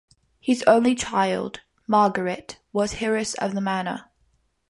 His only child, Margaret, was heiress of the manor.